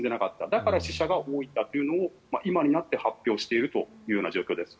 だから死者が多いんだというのを今になって発表しているという状況です。